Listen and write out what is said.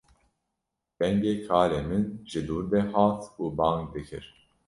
Dengê kalê min ji dûr de hat û bang dikir